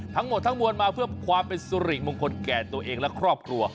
ทั้งหมดทั้งมวลมาเพื่อความเป็นสุริมงคลแก่ตัวเองและครอบครัว